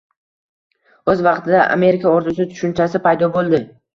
O‘z vaqtida «Amerika orzusi» tushunchasi paydo bo‘ldi